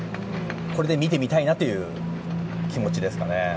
これで見てみたいなという気持ちですかね。